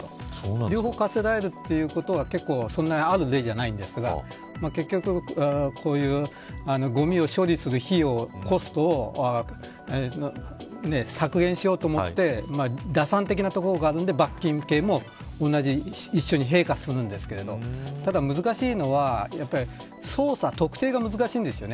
両方、科せられるということはそんなにある例じゃないんですが結局こういうごみを処理する費用、コストを削減しようと思って打算的なところがあるので罰金刑も一緒に併科するんですけどただ難しいのは捜査特定が難しいんですよね。